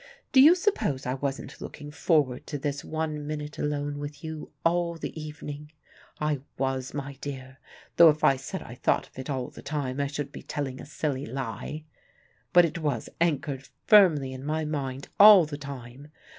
"Do you suppose I wasn't looking forward to this one minute alone with you all the evening? I was, my dear, though if I said I thought of it all the time, I should be telling a silly lie. But it was anchored firmly in my mind all the time.